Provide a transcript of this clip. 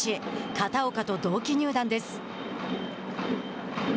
片岡と同期入団です。